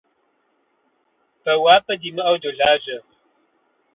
Бэуапӏэ димыӏэу долажьэ.